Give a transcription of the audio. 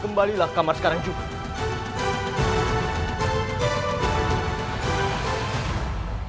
kembalilah kamar sekarang juga